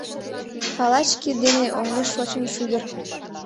Палач кид дене оҥеш шочын шӱдыр.